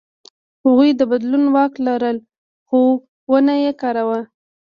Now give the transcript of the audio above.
هغوی د بدلونو واک لرلو، خو ونه یې کاراوه.